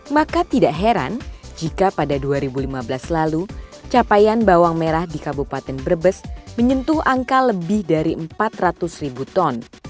maka tidak heran jika pada dua ribu lima belas lalu capaian bawang merah di kabupaten brebes menyentuh angka lebih dari empat ratus ribu ton